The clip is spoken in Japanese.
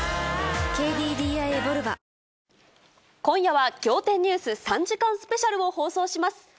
今夜は仰天ニュース３時間スペシャルを放送します。